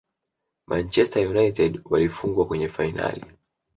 manchester united walifungwa kwenye fainali